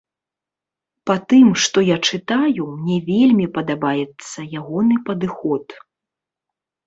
Па тым, што я чытаю, мне вельмі падабаецца ягоны падыход.